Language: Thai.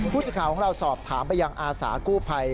ผู้สิทธิ์ขาวของเราสอบถามไปยังอาสากู้ไพ